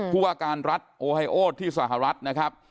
ผู้ว่าการรัฐโอไฮโอที่สหรัฐนะครับ